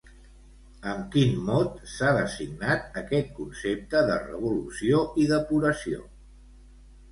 Amb quin mot s'ha designat aquest concepte de revolució i depuració?